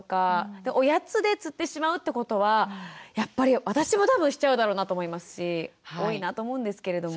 おやつでつってしまうってことはやっぱり私も多分しちゃうだろうなと思いますし多いなと思うんですけれども。